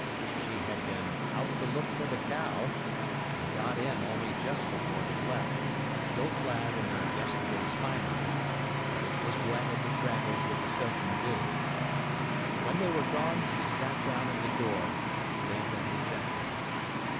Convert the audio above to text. She had "been out to look for the cow," and got in only just before they left, still clad in her yesterday's finery; but it was wet and bedraggled with the soaking dew. When they were gone she sat down in the door, limp and dejected.